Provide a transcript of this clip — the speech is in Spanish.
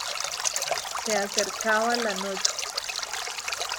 Se acercaba la noche.